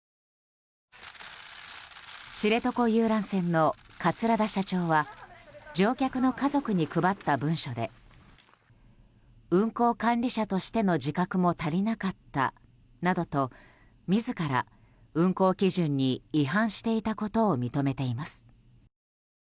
知床遊覧船の桂田社長は乗客の家族に配った文書で運航管理者としての自覚も足りなかったなどと自ら、運航基準に違反していたことを認めています。